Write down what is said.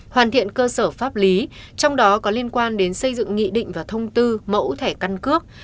hoàn thiện cơ sở pháp lý trong đó có liên quan đến xây dựng nghị định và thông tư mẫu thẻ căn cước